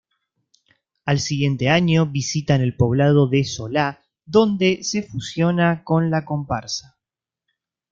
Al siguiente año visitan el poblado de Sola donde se fusiona con la comparsa.